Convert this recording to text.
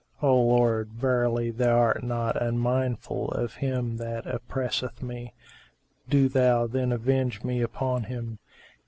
O Lord, verily Thou art not unmindful of him that oppresseth me; do Thou then avenge me upon him!"